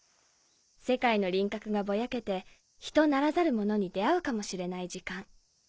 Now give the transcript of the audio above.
世界の輪郭がぼやけて人ならざるものに出会うかもしれない時間。